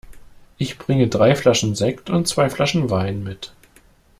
Ich bringe drei Flaschen Sekt und zwei Flaschen Wein mit.